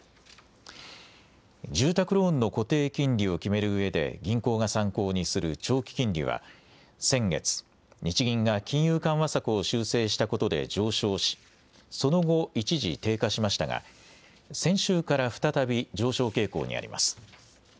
住宅ローンの固定金利を決めるうえで銀行が参考にする長期金利は先月、日銀が金融緩和策を修正したことで上昇しその後、一時低下しましたが先週から再び上昇傾向にあります。